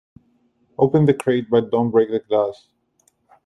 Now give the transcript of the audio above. Open the crate but don't break the glass.